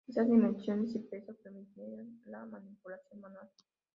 Estas dimensiones y peso permitían la manipulación manual.